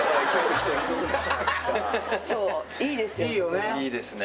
そういいですよ。